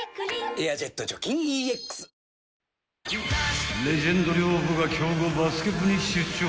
「エアジェット除菌ＥＸ」［レジェンド寮母が強豪バスケ部に出張］